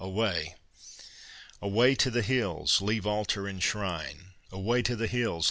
away! Away to the hills! leave altar and shrine, Away to the hills!